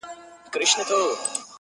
جادوګر ویل زما سر ته دي امان وي!.